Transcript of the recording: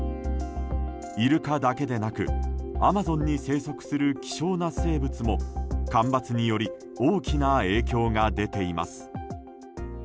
イルカだけでなくアマゾンに生息する希少な生物も干ばつにより大きな影響が出ています。